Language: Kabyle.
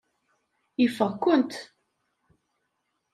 Ifeɣ-kent.